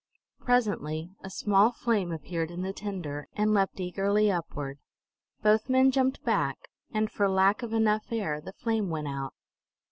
Presently a small flame appeared in the tinder, and leaped eagerly upward. Both men jumped back, and for lack of enough air the flame went out.